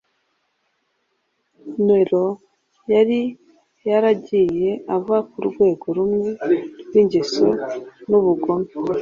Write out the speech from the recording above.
Nero yari yaragiye ava ku rwego rumwe rw’ingeso n’ubugome